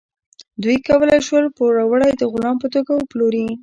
دوی کولی شول پوروړی د غلام په توګه وپلوري.